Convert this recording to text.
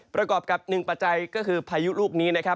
ประกอบกับหนึ่งปัจจัยก็คือพายุลูกนี้นะครับ